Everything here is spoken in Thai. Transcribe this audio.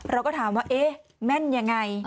เราก็ถามว่าเอ๊ะแม่นยังไง